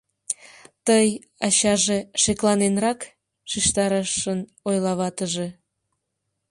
— Тый, ачаже, шекланенрак, — шижтарышын ойла ватыже.